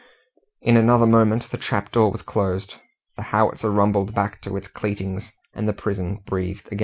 In another moment the trap door was closed, the howitzer rumbled back to its cleatings, and the prison breathed again.